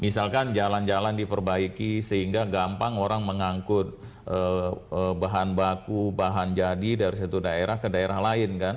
misalkan jalan jalan diperbaiki sehingga gampang orang mengangkut bahan baku bahan jadi dari satu daerah ke daerah lain kan